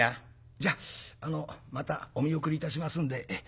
じゃあまたお見送りいたしますんで仲見世の。